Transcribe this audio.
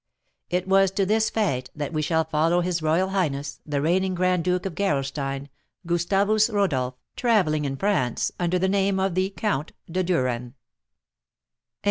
It was to this fête that we shall follow his royal highness, the reigning Grand Duke of Gerolstein, Gustavus Rodolph, travelling in France under the name of the Count de Duren.